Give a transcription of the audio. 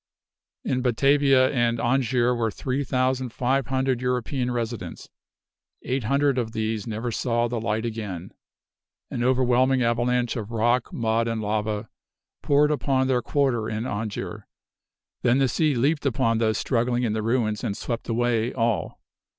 In Batavia and Anjer were three thousand five hundred European residents; eight hundred of these never saw the light again. An overwhelming avalanche of rock, mud, and lava, poured upon their quarter in Anjer; then the sea leaped upon those struggling in the ruins and swept away all.